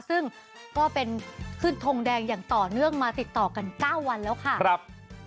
ซึ่งก็เป็นขึ้นทงแดงอย่างต่อเนื่องมาติดต่อกัน๙วันแล้วค่ะครับ